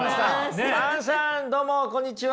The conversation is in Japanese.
どうもこんにちは。